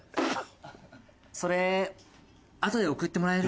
それあとで送ってもらえる？